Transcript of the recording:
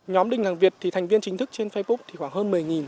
nhóm đình hàng việt thì thành viên chính thức trên facebook thì khoảng hơn một mươi